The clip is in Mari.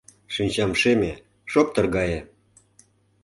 Шинчам шеме — шоптыр гае